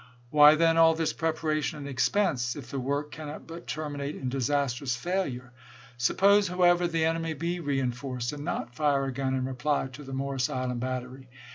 Why, then, all this preparation and expense, if the work cannot but terminate in disastrous failure ? Suppose, however, the enemy be reenforced, and not fire a gun in reply to the Morris Island battery.